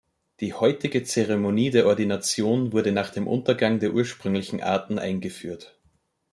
Die heutige Zeremonie der Ordination wurde nach dem Untergang der ursprünglichen Arten eingeführt.